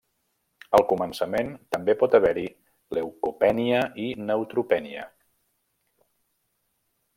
Al començament també pot haver-hi leucopènia i neutropènia.